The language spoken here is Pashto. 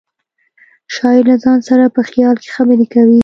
شاعر له ځان سره په خیال کې خبرې کوي